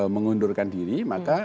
mengundurkan diri maka